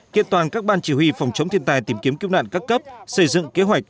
kiện toàn các ban chỉ huy phòng chống thiên tai tìm kiếm cứu nạn các cấp xây dựng kế hoạch